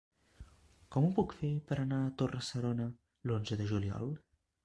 Com ho puc fer per anar a Torre-serona l'onze de juliol?